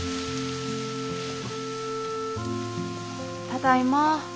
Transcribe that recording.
ただいま。